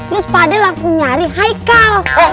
terus pade langsung nyari hikal